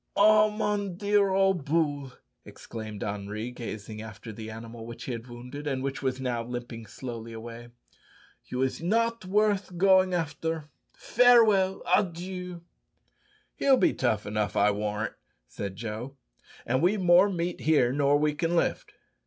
"Ah, mon dear ole bull!" exclaimed Henri, gazing after the animal which he had wounded, and which was now limping slowly away. "You is not worth goin' after. Farewell adieu." "He'll be tough enough, I warrant," said Joe; "an' we've more meat here nor we can lift."